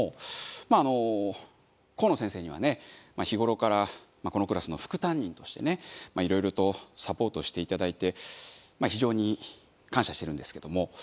まああのコウノ先生にはね日頃からこのクラスの副担任としてねいろいろとサポートしていただいてまあ非常に感謝してるんですけども。